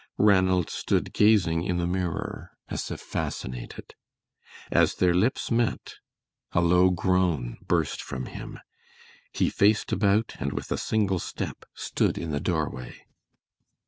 Ranald stood gazing in the mirror as if fascinated. As their lips met a low groan burst from him. He faced about, and with a single step, stood in the doorway.